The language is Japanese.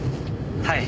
はい。